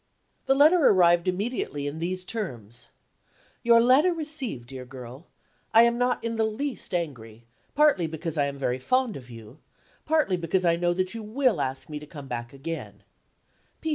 The reply arrived immediately in these terms: "Your letter received, dear girl. I am not in the least angry; partly because I am very fond of you, partly because I know that you will ask me to come back again.